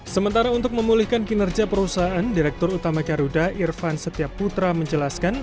sementara untuk memulihkan kinerja perusahaan direktur utama garuda irvan setiap putra menjelaskan